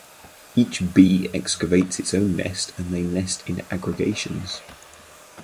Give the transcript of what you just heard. Each bee excavates its own nest and they nest in aggregations.